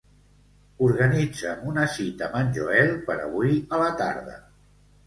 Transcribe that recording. Organitza'm una cita amb en Joel per avui a la tarda.